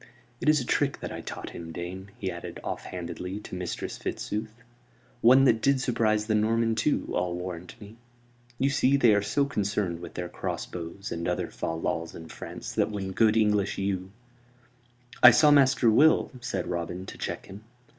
"It is a trick that I taught him, dame," he added, off handedly, to Mistress Fitzooth. "One that did surprise the Norman too, I'll warrant me. You see, they are so concerned with their crossbows and other fal lals in France that when good English yew " "I saw Master Will," said Robin, to check him.